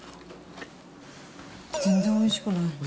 全然おいしくない。